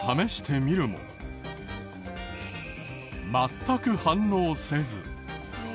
全く反応せず。